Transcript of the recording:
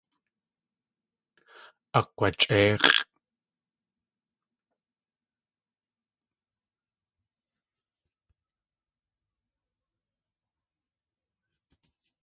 Akg̲wachʼéix̲ʼ.